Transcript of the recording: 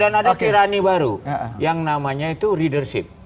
dan ada kirani baru yang namanya itu readership